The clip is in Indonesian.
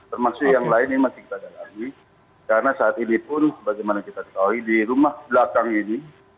termasuk yang lain ini masih kita dalami karena saat ini pun sebagaimana kita ketahui di rumah belakang ini